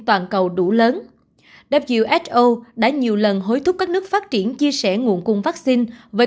toàn cầu đủ lớn who đã nhiều lần hối thúc các nước phát triển chia sẻ nguồn cung vaccine với